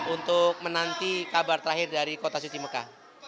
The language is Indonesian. untuk menanti kabar terakhir dari kota suci mekah